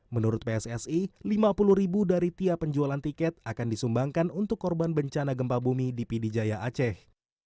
menurut pssi lima puluh ribu dari tiap penjualan tiket akan disumbangkan untuk korban bencana gempa bumi di pd jaya aceh